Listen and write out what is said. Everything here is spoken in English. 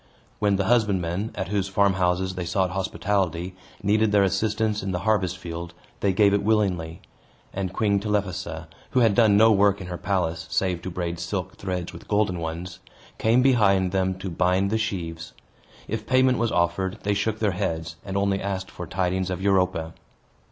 When the husbandmen, at whose farmhouses they sought hospitality, needed their assistance in the harvest field, they gave it willingly; and Queen Telephassa (who had done no work in her palace, save to braid silk threads with golden ones) came behind them to bind the sheaves. If payment was offered, they shook their heads, and only asked for tidings of Europa.